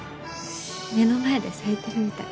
目の前で咲いてるみたい。